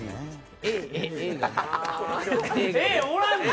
Ａおらんの！？